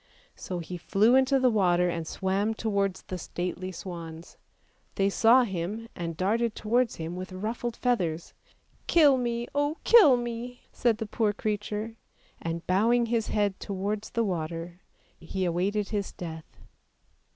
So he flew into the water and swam towards the stately swans; they saw him and darted towards him with ruffled feathers. " Kill me, oh, kill me! " said the poor creature, and bowing his head towards the water he awaited his death.